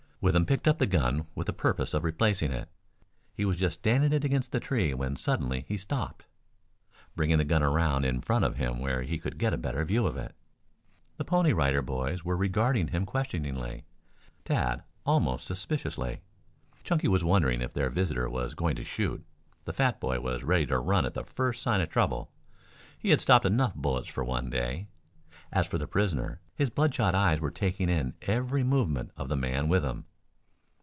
Withem picked up the gun with the purpose of replacing it. He was just standing it against the tree when suddenly he stopped, bringing the gun around in front of him where he could get a better view of it. The Pony Rider Boys were regarding him questioningly, Tad almost suspiciously. Chunky was wondering if their visitor was going to shoot. The fat boy was ready to run at the first sign of trouble. He had stopped enough bullets for one day. As for the prisoner, his bloodshot eyes were taking in every movement of the man Withem.